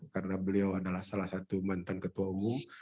karena beliau adalah salah satu mantan ketua umum